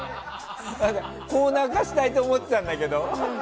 コーナー化したいと思ってたんだけど。